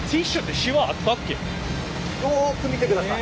よく見てください！